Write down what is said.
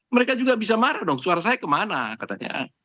mereka juga bisa marah dong suara saya kemana katanya